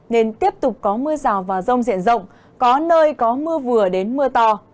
nên tiếp tục có mưa rào và rông diện rộng có nơi có mưa vừa đến mưa to